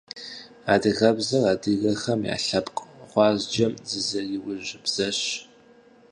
Адыгэбзэр адыгэхэм я лъэпкъ гъуазджэм зэрызиужь бзэщ.